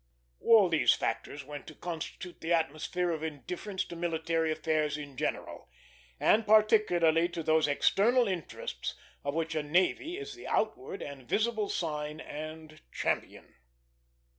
All these factors went to constitute the atmosphere of indifference to military affairs in general; and particularly to those external interests of which a navy is the outward and visible sign and champion.